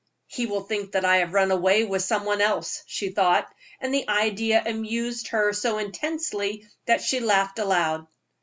"He will think that I have run away with some one else," she thought; and the idea amused her so intensely that she laughed aloud.